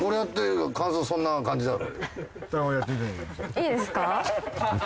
いいですか？